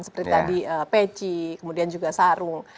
seperti tadi peci kemudian juga sarung